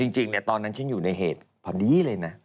จริงตอนนั้นฉันอยู่ในเหตุพอดีเลยนะ